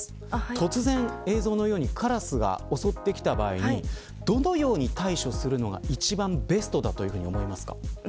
突然、映像のようにカラスが襲ってきた場合にどのように対処するのが一番ベストだというふうに思いますか。